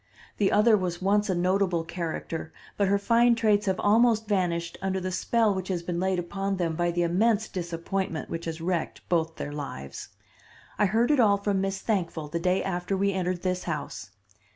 The other was once a notable character, but her fine traits have almost vanished under the spell which has been laid upon them by the immense disappointment which has wrecked both their lives. I heard it all from Miss Thankful the day after we entered this house.